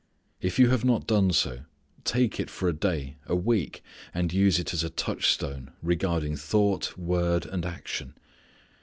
If you have not done so, take it for a day, a week, and use it as a touch stone regarding thought, word and action.